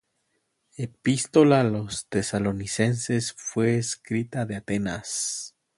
espístola á los Tesalonicenses fué escrita de Atenas.